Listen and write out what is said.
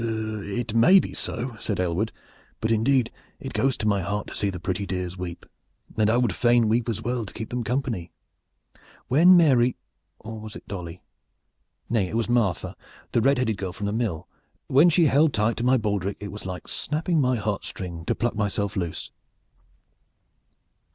"It may be so," said Aylward; "but indeed it goes to my heart to see the pretty dears weep, and I would fain weep as well to keep them company. When Mary or was it Dolly? nay, it was Martha, the red headed girl from the mill when she held tight to my baldric it was like snapping my heart string to pluck myself loose."